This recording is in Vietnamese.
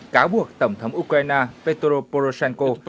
cáo buộc tổng thống ukraine petro poroshenko